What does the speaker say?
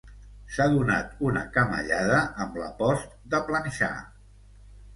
S'ha donat una camallada amb la post de planxar.